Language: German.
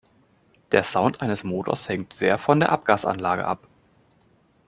Der Sound eines Motors hängt sehr von der Abgasanlage ab.